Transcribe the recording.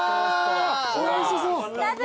おいしそう。